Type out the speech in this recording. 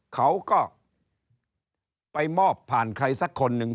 เขาก็ไปมอบผ่านใครสักคนหนึ่ง